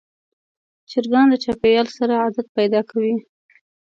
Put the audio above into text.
چرګان د چاپېریال سره عادت پیدا کوي.